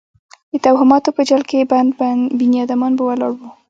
د توهماتو په جال کې بند بنیادمان به ولاړ وو.